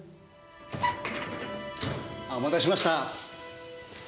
お待たせしました。